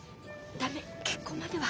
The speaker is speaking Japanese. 駄目結婚までは。